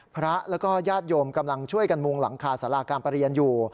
พระแล้วก็ญาติโยมกำลังช่วยกันมุงหลังคาสาราการประเรียนอยู่